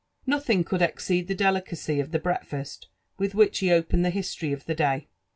Nothing could exceed the delicacy of the breakfast with which be opened the history of the day.